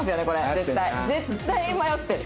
絶対迷ってる。